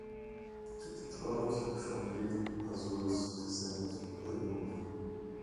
tiktok, shopee, asus, tencent, lenovo